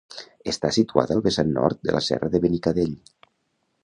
Està situada al vessant nord de la Serra del Benicadell.